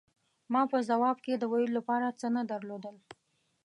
ما په ځواب کې د ویلو له پاره څه نه درلودل.